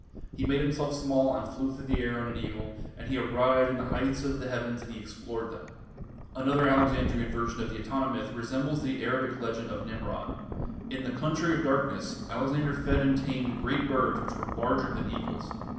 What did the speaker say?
"He made himself small and flew through the air on an eagle, and he arrived in the heights of the heavens and he explored them." Another Alexandrian version of the Etana myth resembles the Arabic legend of Nimrod. "In the Country of Darkness" Alexander fed and tamed great birds which were larger than eagles.